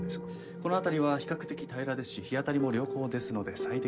この辺りは比較的平らですし日当たりも良好ですので最適なんです。